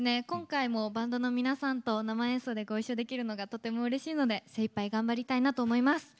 今回もバンドの皆さんと生演奏でご一緒できるのがとてもうれしいので精いっぱい頑張りたいなと思います。